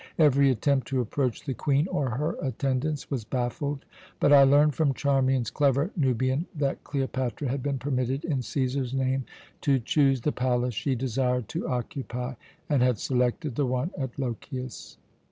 Every attempt to approach the Queen or her attendants was baffled, but I learned from Charmian's clever Nubian that Cleopatra had been permitted, in Cæsar's name, to choose the palace she desired to occupy, and had selected the one at Lochias.